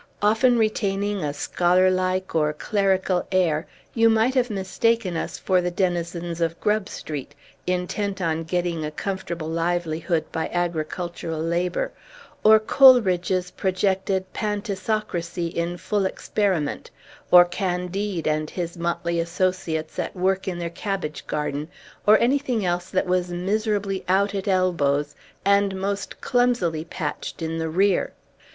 Often retaining a scholarlike or clerical air, you might have taken us for the denizens of Grub Street, intent on getting a comfortable livelihood by agricultural labor; or Coleridge's projected Pantisocracy in full experiment; or Candide and his motley associates at work in their cabbage garden; or anything else that was miserably out at elbows, and most clumsily patched in the rear.